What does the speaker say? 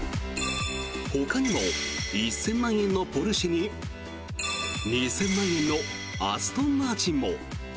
ほかにも１０００万円のポルシェに２０００万円のアストンマーチンも。